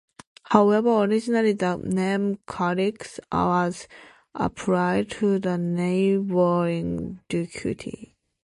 However, originally the name "Kerrick" was applied to the neighboring Duquette.